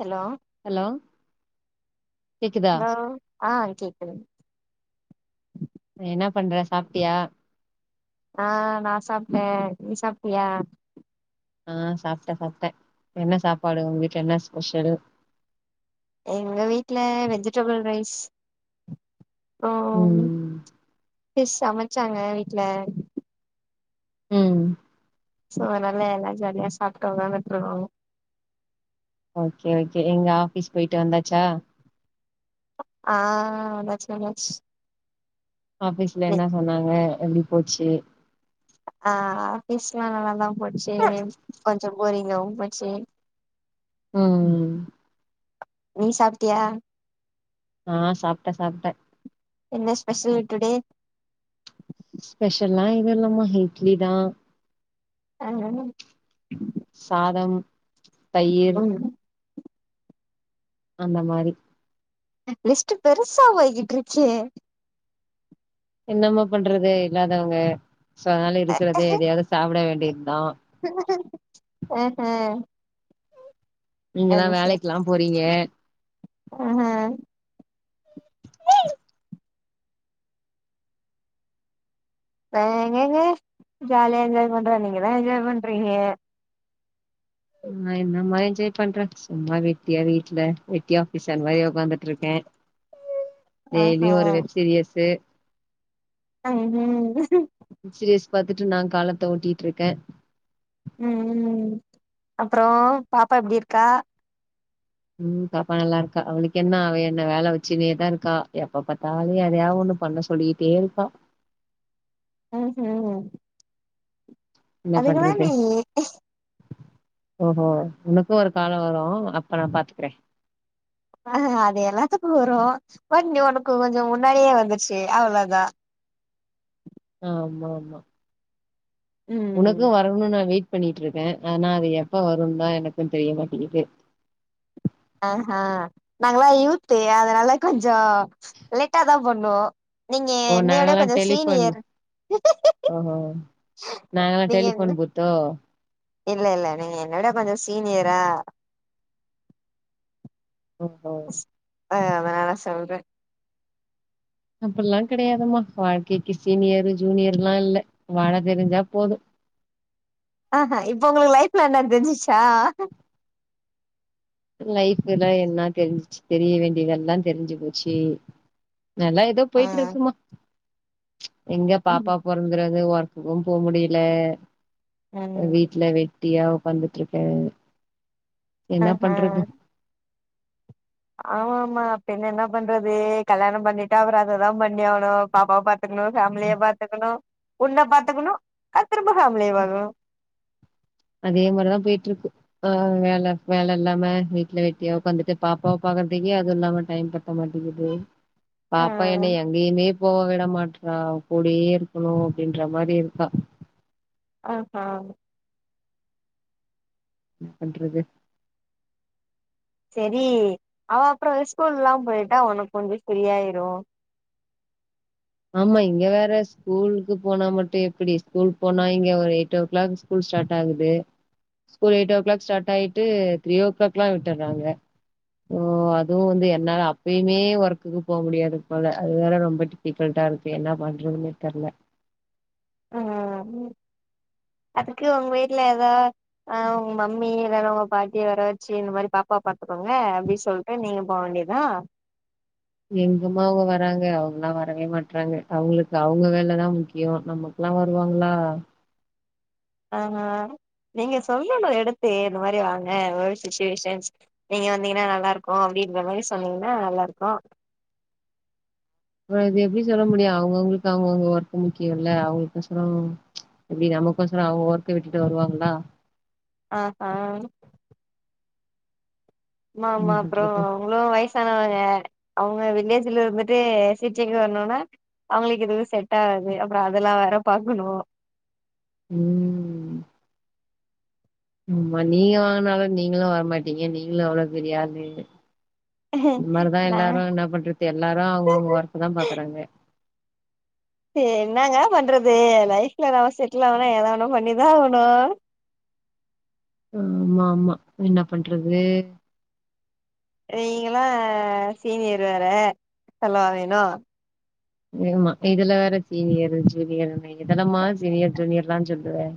Hello hello கேக்குதா hello ஆ கேக்குது என்ன பண்ற சாப்ட்டியா ஆ நா சாப்ட்டே நீ சாப்ட்டியா ஆ சாப்ட்டே சாப்ட்டே என்ன சாப்பாடு உங்க வீட்ல என்ன ஸ்பெஷலு எங்க வீட்ல வெஜிடபிள் ரைஸ் ஆ ம் ஃபிஷ் சமச்சாங்க வீட்ல ம் சோ அனால்லா எல்லா ஜாலியா சாப்ட்டோ வெலான்ட்டு இருந்தோ ஓகே ஓகே எங்க ஆபிஸ் போயிட்டு வந்தாச்சா ஆ வந்தாச்சு வந்தாச்சு ஆபீஸ்ல என்னா சொன்னாங்க எப்டி போச்சு ஆ ஆஃபீஸ்ல்லா நல்லாதா போச்சு கொஞ்சோ போரிங்காவு போச்சு ம் நீ சாப்ட்டியா ஆ சாப்ட்டே சாப்ட்டே என்ன ஸ்பெஷல் டுடே ஸ்பெஷல்லா எது இல்லாம இட்லி தா ஆ சாதம் தயிர் ம் அந்த மாரி லிஸ்ட்டு பெருசா போய்கிட்ருக்கே என்னமா பண்றது இல்லாதவங்க சோ அதனால இருக்கறத எதையாவ்து சாப்ட வேண்டிய தா அ ஆ நீங்களா வேலைக்லா போறீங்க ஆ ஹ ம் வே ஏங்கேங்கே ஜாலியா என்ஜாய் பண்ற நீங்கதா என்ஜாய் பண்றீங்க நா என்னமா என்ஜாய் பண்றே சும்மா வெட்டியா வீட்ல வெட்டியா ஆபீஸர் மாரி உக்காந்துட்டு இருக்கே டெய்லி ஆஹா ஒரு வெப் சீரியஸ் உஹம் உம் வெப் சீரியஸ் பாத்துட்டு நா காலத்த ஓட்டிட்டு இருக்கே ம் அப்றோ பாப்பா எப்டி இருக்கா ம் பாப்பா நல்லா இருக்கா அவளுக்கென்ன அவ என்ன வேல வச்சுன்னேதா இருக்கா எப்ப பாத்தாலு எதையாவ் ஒண்ணு பண்ண சொல்லிக்கி டெருப்பா ஹ ஹ என்ன பண்றது நீ ஓஹோ உனக்கு ஒரு காலோ வரு அப்ப நா பாத்துக்றே ஆஹ அது எல்லாத்துக்கு வரு பட் நீ உனக்கு கொஞ்சோ முன்னாடியே வந்துச்சு அவ்ளோதா அ ஆமா ஆமா ம் உனக்கம் வருன்னு நா வெயிட் பண்ணிட்ருக்கே ஆனா அது எப்ப வருன் தா எனக்கும் தெரிய மாட்டேங்கிது அ ஆ நாங்களா யூத்து அதனால கொஞ்சம் லேட்டா தா பண்ணுவோ நீங்க என்னையோட கொஞ்ச சீனியர் ஓ ஓ நாங்களா நீங்க என்ன டெலிஃபோன் பூத்தோ இல்ல இல்ல நீங்க என்னவிட கொஞ்சோ சீனியரா ஓ ஓ அதனாலா சொல்ற அப்பில்லா கெடையாதுமா வாழ்க்கைக்கு சீனியரு ஜூனியருலா இல்ல வாழ தெரிஞ்சா போதும் அ ஆ இப்ப உங்களுக்கு லைஃப்னா என்ன தெரிஞ்சிச்சா லைஃப்புனா என்ன தெரிஞ்சிச்சு தெரிய வேண்டியதெல்லா தெரிஞ்சு போச்சு நல்லா தா ஆ போயிட்ருக்குமா எங்க ம் பாப்பா பொற தூங்றது ஒர்க்குக்கும் போ முடியல ம் வீட்ல வெட் டியா உக்காந்துட்ருக்க என்ன ஆஹா பண்றது ஆமா பின்ன என்ன பண்றது கல்யாணம் பண்ணிட்டா அப்புறம் அததா பண்ணி ஆவுனு பாப்பாவ பாத் த்துக்கனு ஃபேமிலிய பாத்துக்கனு உன்ன பாத்துக்குனு அடுத் திரும்ப ஃபேமிலிய பாக்கனு அதே மாரிதா போய்ட்ருக்கு ஆ வேல வேல இல்லாம வீட்ல வெட்டியா உக்காந்துட்டு பாப்பாவ பாக்கறதக்கே அது இல்லாம டைம் ப பண்ண மாட்டிக்கிது ஆ பாப்பா என்ன எங்கேயுமே போவ விட மாட்றா கூடயே இருக்கணு அப்டின்ற மாரி இருக்கா அ ஆ இன்ன பண்றது செரி அவ அப்புறம் ஸ்கூல்லாம் போயிட்டா உனக்கு கொஞ்சோ சரியாயிரும் ஆமா இங்க வேற ஸ்கூலுக்கு போனா மட்டும் எப்பிடி ஸ்கூல் போனா இங்க ஒரு eight o'clock school start ஆகுது school eight o'clock start ஆயிட்டு த்ரி ஓ கிளாக்லா விட்டுறாங்க ஓ அதுவும் வந்து என்னால அப்பயுமே ஒர்க்குக்கு போ முடியாது போல அது வேற ரொம்ப டிப்ரென்டா இருக்கு என்ன பண்றதுன்னே தெர்ல ஆ அதுக்கு அவுங்க வீட்ல எதா ஆ உங்க மம்மி இல்லன்னா உங்க பாட்டிய வர வச்சு இந்த மாரி பாப்பாவ பாத்துக்கோங்க அப்டி சொல் அப்ப நீங்க போவேண்டிதா எங்கமா அவுங்க வராங்க அவங்கல்லா வரவே மாற்றாங்க அவுங்களுக்கு அவுங்க வேலதா முக்கியோ நம்ம எல்லா வருவாங்ளா ஆ நீங்க சொல்லணு எடுத்தே இந்த மாரி வாங்க [inaudible] நீங்க வந்தீங்கன்னா நல்லாருக்கு அப்டின்ற மாரி சொன்னீங்கன்னா நல்லாருக்கு அப்றோ இது எப்டி சொல்ல முடியு அவுங்கவுங்களுக்கு அவுங்கவுங்க ஒர்க்கு முக்கியோல்ல அவுங்களுக்கு சொல்லனு இப்டி நமுக்கொசுரம் அவுங்க ஒர்க் விட்டுட்டு வருவாங்ளா அ ஆ மாமா என்ன அப்புறோ பண்றது உன்னவ வயசானவங்க யார் அவுங்க வில்லேஜ்ல இருந்துட்டு சிட்டிக்கு வர்ணுனா அவுங்களுக்கு எதுவும் செட் ஆவாது அப்புறம் அதெல்லா வேற பாக்கணு ம் ஆமா நீங்க வாங்குனாலும் நீங்களு வரமாட்டீங்க நீங்களு அவ்ளோ பெரிய ஆளு இது மாரிதா நா எல்லாரு என்ன பண்றது எல்லாரு அவுங்கவுங்க ஒர்க்குதா பாக்குறாங்க என்னங்க பண்றது லைஃப்ல நம்ம செட்லு ஆவனா எதா வேணா பண்ணிதா ஆகணு ஆம்மாம்மா என்ன பண்றது நீங்களு சீனியர் வேற சொல்லவா வேணு ஏம்மா இதுல வேற சீனியரு ஜூனியர்ன்னு எதெல்லமா சீனியர் ஜூனியர்லாஞ் சொல்லுவ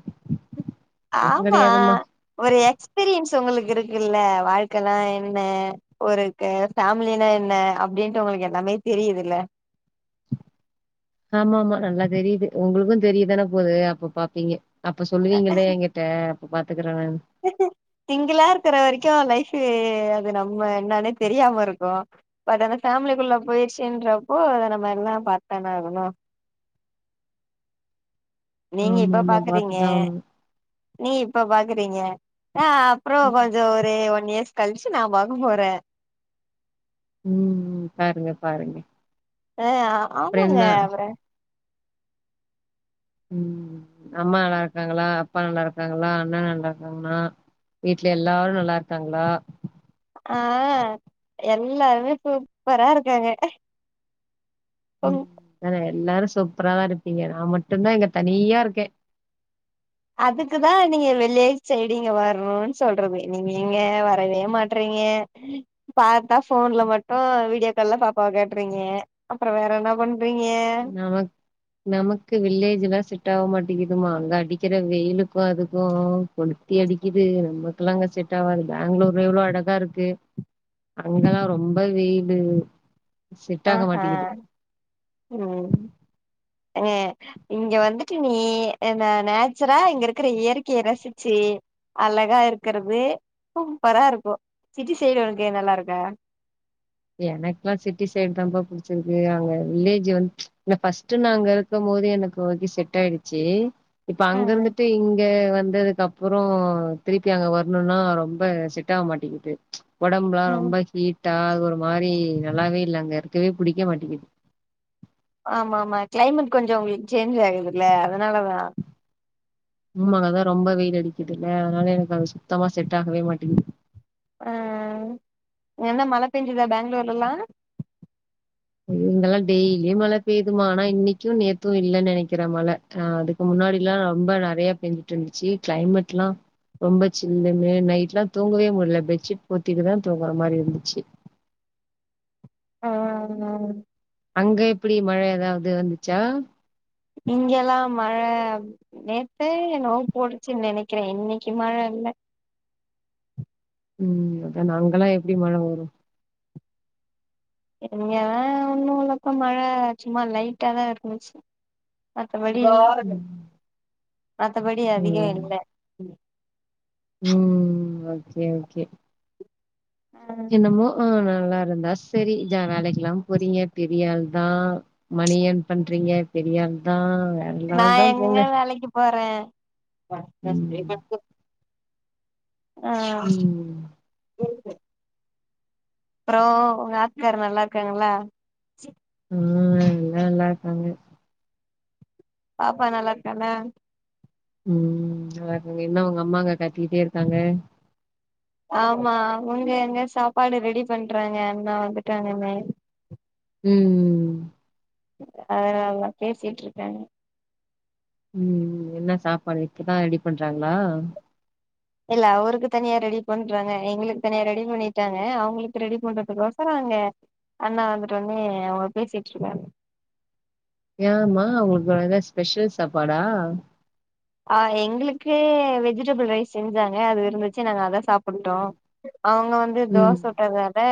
அதெல்லாம் ஆம்மா கெடையாதும்மா. ஒரு எக்ஸ்பீரியன்ஸ் உங்களுக்கு இருக்குல்ல வாழ்க்கன்னா என்ன ஒரு க ஃபேம்லினா என்ன அப்டின்ட்டு உங்ளுக்கு எல்லாமே தெரியுதுல்ல ஆமாம்மா நல்லா தெரியுது உங்களுக்கு தெரியுதானே போது அப்ப பாப்பீங்க அப்ப சொல்லுவீங்களே எங்கிட்ட அப்ப பாத்துக்குற நானு சிங்கிளா இருக்கற வரைக்கு லைஃப்பு அது நம்ம என்னன்னே தெரியாம இருக்கு பட் அந்த ஃபேம்லிக்குள்ள போயிச்சுன்றப்போ அத நம்ம எல்லா பாத்தான ஆகணு நீங்க இப்ப ஆமாமா பாக்குறீங்க பாத்துதான் ஆகணும். நீ இப்ப பாக்குறீங்க நா அப்றோ கொஞ்சோ ஒரு ஒன் இயர்ஸ் கல்ச்சி நா பாக்க போறே ம் ம் பாருங்க பாருங்க அ அப்புறம் ஆமாங்க என்ன? அப்ற ம் அம்மா நல்லாருக்கறாங்களா அப்பா நல்லாருக்கறாங்களா அண்ணா நல்லாருக்கரான்னா வீட்ல எல்லாரு நல்லாருக்காங்ளா ஆ எல்லாருமே சூப்பரா இருக்காங்க ம் உங்க அத்தான எல்லாரு சூப்பராதா இருப்பீங்க நா மட்டுந்தா இங்க தனியா இருக்கே அதுக்குதா நீங்க விள்ளேஜ் சைடு இங்க வர்னுன் சொல்றது நீங்க எங்க வரவே மாட்றீங்க பாத்தா ஃபோன்ல மட்டு வீடியோ கால்ல பாப்பா காட்றீங்க அப்பறோ வேற என்னா பண் நா நமுக்கு வில்லேஜ்ஜில்லா செட் ஆவ மாட்டிகிதுமா அங்க அடிக்கற வெயிலுக்கு அதுக்கு கொல்த்தி அடிக்கிது நமக்கெல்லா அங்க செட் ஆவாது பெங்ளூரு எவ்ளோ அழகா இருக்கு அங்கல்லா ரொம்ப வெயிலு செட் ஆ ஆக ஹா மாட்டேங்குது ம் ஏ இங்க வந்துட்டு நீ என்ன நேச்சுரா இங்க இருக்குற இயற்கைய ரசிச்சி அழகா இருக்கறது சூப்பரா இருப்போ சிட்டி சைடு உனக்கு நல்லா இருக்கா எனக்குல்லா சிட்டி சைட்டுதாம்ப புடிச்சிருக்கு அங்க வில்லேஜ்ஜூ வந்து ஃபர்ஸ்ட்டு நாங்க இருக் இருக்கும் போது எனக்கு ஓகே செட்டாயிடுச்சி இப்ப ஆ அங்க இருந்துட்டு இங்க வந்ததுக்கு அப் றோ திருப்பி அங்க வரணுனா ரொம்ப செட்டாவ மாட்டிகிது ஒடம்புலா ஆ ரொம்ப ஹீட்டா அது ஒரு மாரி நல்லாவே இல்ல அங்க இருக்கவே புடிக்க மாட்டிகிது ஆமாமா கிளைமேட் கொஞ்சோ உங்களுக் சேஞ்ச் ஆகுதுல்ல அதனாலதா ம்மாங்க அதா ரொம்ப வெயில் அடிக்குதுல்ல அதனால எனக்கு அது சுத்தமா செட் ஆகவே மாட்டிங்குது ஆ என்ன மழ பெஞ்சுதா பெங்ளூர்லலா இங்கெல்லா டெய்லியு மழ பெய்யுதுமா ஆனா இன்னக்கியு நேத்து இல்லன் நெனக்கிற மழ ஆ அதுக்கு முன்னாடில்லா ரொம்ப நறயா பேஞ்சிட்டு இருந்துச்சு கிளைமேட்ல்லா ரொம்ப சில்லுனு நைட்லா தூங்கவே முட்ல பெட்ஷீட் போத்திட்டுதா தூங்குற மாரி இருந்துச்சு ஓ‌ நானு அங்க எப்புடி மழ ஏதாவது வந்துச்சா இங்கெல்லா மழ நேத்தே நோ போடுச்சுன்னு நெனைக்கற இன்னிக்கு மழ இல்ல ம் அதான அங்கெல்லா எப்டி மழ வரு இங்கலா ஒன்னு இல்லக்கா மழ சும்மா லைட்டாதா இருந்துச்சு மத்தபடி மத்தபடி அதிகோ ம் இல்ல ம் ஓக்கே ஓக்கே என்னமோ ஆ நல்லாருந்தா செரி தா வேலக்கெல்லா போரிங்க பெரியாள்தா மணி எர்ன் பண்றீங்க பெரியாள்தா நா எங்க வேலைக்கு போற ம் ஆ ம் ‌இருக்கு அப்றோ ஒங்க ஆத்துக்கார் நல்லா இருக்காங்களா ம் எல்லா நல்லா இருக்காங்க பாப்பா நல்லாருக்காளா ம் நல்லாருக்காங்க என்ன ஒங்க அம்மா அங்க கத்தி கிட்டே இருக்காங்க ஆமா அவுங்க அங்க சாப்பாடு ரெடி பண்றாங்க அண்ணா வந்துட்டாங்கன்னு ம் அதனால பேசிட்டு இருக்காங்க ம் என்ன சாப்பாடு இப்பதா ரெடி பண்றாங்ளா இல்ல அவருக்கு தனியா ரெடி பண்றாங்க எங்களுக்கு தனியா ரெடி பண்ணிட்டாங்க அவுங்ளுக்கு ரெடி பண்றதுக்கோசரோ எங்க அண்ணா வந்துட்டோனே அவ பேசிட்டு இருக்காங்க ஏமா அவுங்ளுக்கு எதனா ஸ்பெஷல் சாப்பாடா ஆ எங்குளுக்கு வெஜிடபுள் ரைஸ் செஞ்சாங்க அது இருந்துச்சு நாங்க அத சாப்புட்டோ அவங்க வந் ண்ணா ம் தோச சுட்டாங்க அதா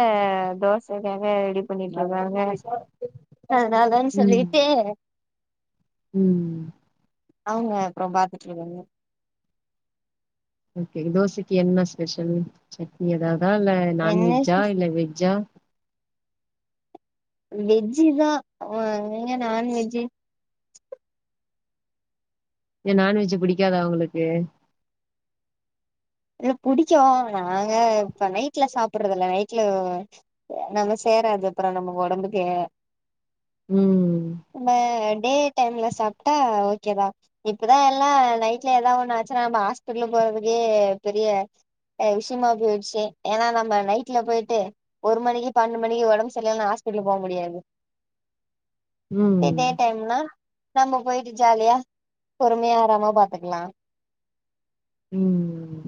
தோசைக்காக ரெடி பண்ணிட்டு இருக்காங்க ஆ நாந்தானு ம் சொல்லிட்டு ம் அவுங்க அப்றோ பாத்துட்டு இருக்காங்க ஓகே தோசைக்கி என்ன ஸ்பெஷலு சட்னி எததா இல்ல என்ன நான்வெஜ்ஜா சிஸ் இல்ல வெஜ்ஜா வெஜ்ஜிதா ஆ எங்க நான்வெஜ்ஜி ஏ நான்வெஜ்ஜி பிடிக்காதா அவுங்களுக்கு இல்ல புடிக்கு நாங்க இப்ப நைட்ல சாப்டறது இல்ல நைட்ல நம்ம சேராது அப்றோ நம்ம ஒடம்புக்கே ம்ம் நா டே டைம்ல சாப்ட்டா ஓக்கேதா இப்பதா எல்லா நைட்ல ஏதாவொண்ணு ஆச்சுன்னா நா ஹாஸ்பிட்டல்லுக் போறதுக்கே பெரிய அ விஷ்யமா போய்ருச்சு ஏனா நம்ம நைட்ல போய்ட்டு ஒரு மணிக்கி பன்னண்டு மணிக்கி ஒடம்பு சர்லனு ஹாஸ்பிட்டலு போ முடியாது இதே டே ம் டைம்னா நம்ம போயிட்டு ஜாலியா பொறுமையா ஆராம பாத்துக்குலா ம்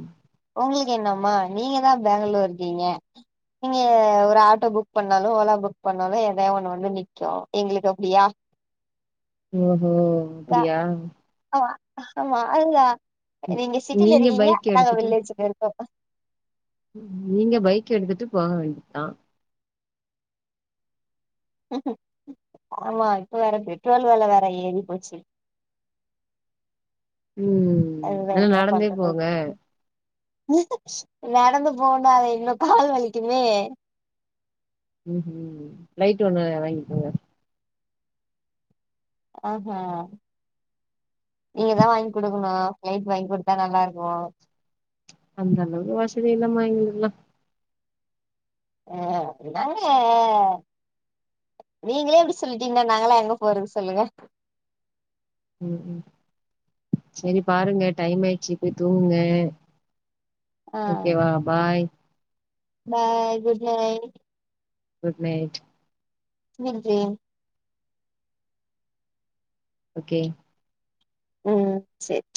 உங்குளுக்கு என்னம்மா நீங்க தா பெங்களூர் இருக்கீங்க நீங்க ஒரு ஆட்டோ புக் பண்ணாலு ஓலா புக் பண்ணாலு ஏதாது ஒன்னு வந்து நிக்கு எங்களுக்கு அப்டியா ஓஹோ யா அப்டியா ஆமா ஆமா அதுதா நீங்க சிட்டில இருக்கீங்க பைக் நாங்க எடுத்துட்டு வில்லேஜ்ல இருக்கோ நீங்க பைக் எடுத்துட்டு போக வேண்டியதுதா ஆமா இப்ப வேற பெட்ரோல் வெல வேற ஏறி போச்சு ம் அதுதா ஆனா என்ன நடந்தே பண்றது போங்க நடந்து போனா இன்னு கால் வலிக்குமே ம் ம் பிலைட் ஒண்ணு வாங்கி கோங்க ஆஹா நீங்க தா வாங்கி குடுக்கணு பிளைட் வாங்கி் குடுத்தா நல்லாருக்கு அந்தளவுக்கு வசதி இல்லமா எங்களுக்குல்லா அ இந்தாங்க நீங்களே இப்டி சொல்லிட்டீங்ன்னா நாங்களா எங்க போறது சொல்லுங்க ம் ம் செரி பாருங்க டைம் ஆயிடுச்சு போய் தூங்குங்க ஆ ஓகே வா bye bye good night good night [unintelligible] okay ம் சேரி